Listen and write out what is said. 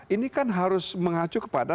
ini kan harus mengacu kepada